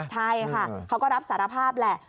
ใช่ค่ะเขาก็รับสารภาพแหละ